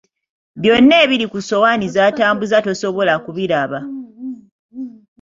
Byonna ebiri ku ssowaani z’atambuza tosobola kubiraba.